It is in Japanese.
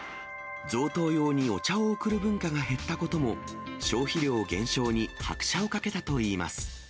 贈答用にお茶を贈る文化が減ったことも、消費量減少に拍車をかけたといいます。